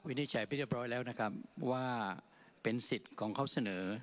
นิจฉัยไปเรียบร้อยแล้วนะครับว่าเป็นสิทธิ์ของเขาเสนอ